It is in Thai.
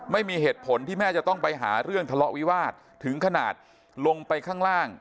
ไม่มีเหตุผลที่แม่จะต้องไปหาเรื่องทะเลาะวิวาสถึงขนาดลงไปข้างล่าง